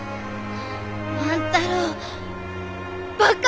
万太郎バカ！